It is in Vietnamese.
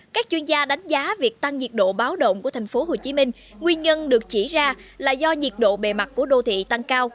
các chuyên gia đánh giá việc tăng nhiệt độ báo động của tp hcm nguyên nhân được chỉ ra là do nhiệt độ bề mặt của đô thị tăng cao